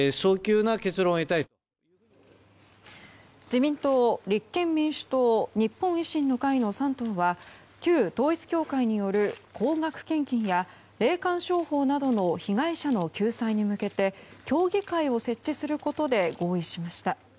自民党、立憲民主党日本維新の会の３党は旧統一教会による高額献金や霊感商法などの被害者の救済に向けて協議会を設置することで合意しました。